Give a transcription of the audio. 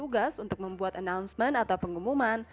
dan bagi tugas untuk membuat announcement atau pengumuman